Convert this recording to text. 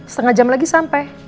setengah jam lagi sampai